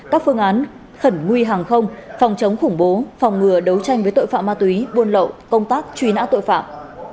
các phương án khẩn nguy hàng không phòng chống khủng bố phòng ngừa đấu tranh với tội phạm ma túy buôn lậu công tác truy nã tội phạm